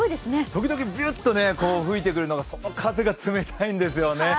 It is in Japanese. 時々びゅっと吹いてくるその風が冷たいんですよね。